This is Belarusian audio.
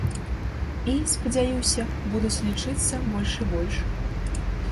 І, спадзяюся, будуць лічыцца больш і больш.